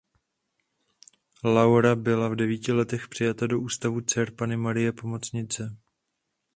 Laura byla v devíti letech přijata do ústavu Dcer Panny Marie Pomocnice.